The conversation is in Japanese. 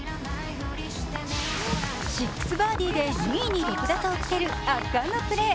６バーディーで２位に６打差をつける圧巻のプレー。